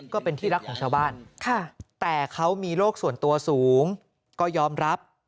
ก็เป็นที่รักของชาวบ้านแต่เขามีโรคส่วนตัวสูงก็ยอมรับ